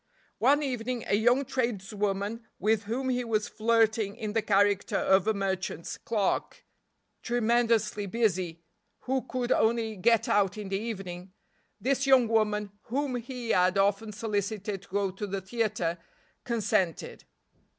One evening a young tradeswoman with whom he was flirting in the character of a merchant's clerk, tremendously busy, who could only get out in the evening; this young woman, whom he had often solicited to go to the theater, consented.